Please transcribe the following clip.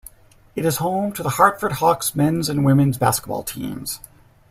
It is home to the Hartford Hawks men's and women's basketball teams.